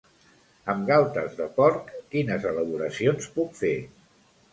Amb galtes de porc quines elaboracions puc fer?